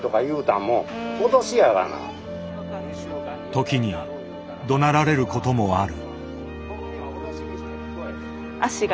時にどなられることもある。